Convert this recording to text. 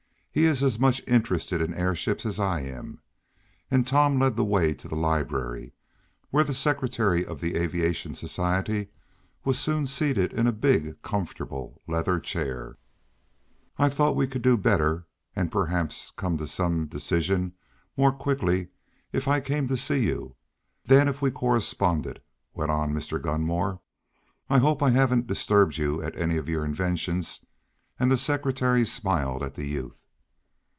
He is as much interested in airships as I am." And Tom led the way to the library, where the secretary of the aviation society was soon seated in a big, comfortable leather chair. "I thought we could do better, and perhaps come to some decision more quickly, if I came to see you, than if we corresponded," went on Mr. Gunmore. "I hope I haven't disturbed you at any of your inventions," and the secretary smiled at the youth.